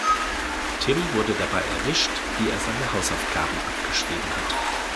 Tim wurde dabei erwischt, wie er seine Hausaufgaben abgeschrieben hat.